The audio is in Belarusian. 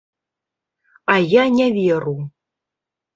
А я не веру.